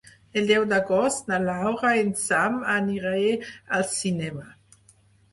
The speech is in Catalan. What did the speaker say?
El deu d'agost na Laura i en Sam aniré al cinema.